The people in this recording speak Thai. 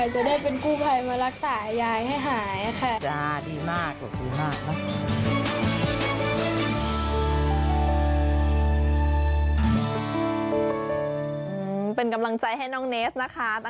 จะได้เป็นกู้ภัยมารักษายายให้หายค่ะ